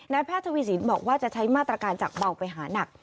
แพทย์ทวีสินบอกว่าจะใช้มาตรการจากเบาไปหานัก